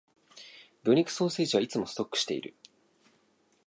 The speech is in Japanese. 魚肉ソーセージはいつもストックしている